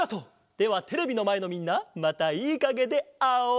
ではテレビのまえのみんなまたいいかげであおう！